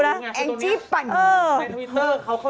ตอนนี้แอนท์สวิสเตอร์เขาเข้าใจมีเสียตนาหรือไม่เข้าใจ